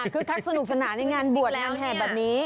คักสนุกสนานในงานบวชงานแห่แบบนี้